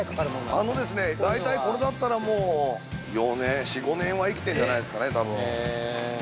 ◆あのですね、大体これだったらもう４５年は生きてんじゃないですかね、多分。